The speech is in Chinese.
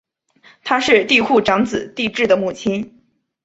她是帝喾长子帝挚的母亲。